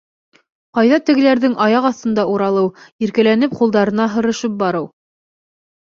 Ҡайҙа тегеләрҙең аяҡ аҫтында уралыу, иркәләнеп ҡулдарына һырышып барыу.